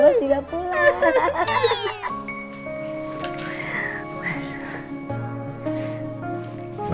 pak bos juga pulang